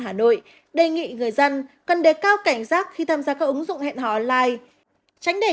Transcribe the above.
hà nội đề nghị người dân cần đề cao cảnh giác khi tham gia các ứng dụng hẹn hò online tránh để